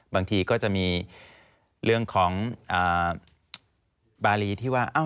บางทีก็จะมีเรื่องของบารีที่ว่า